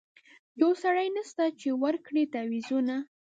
یو سړی نسته چي ورکړي تعویذونه